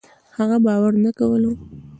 هغه باور نه کولو